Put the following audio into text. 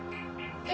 え？